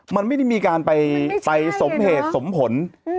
มันไม่ได้มีการไปสมเหตุสมผล